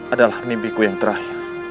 adalah mimpiku yang terakhir